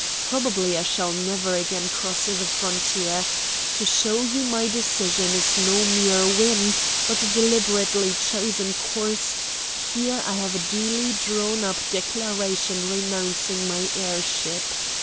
Probably I shall never again cross the frontier. To show you my decision is no mere whim, but a deliberately chosen course, here I have a duly drawn up declaration renouncing my heirship.